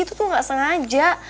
itu tuh enggak sengaja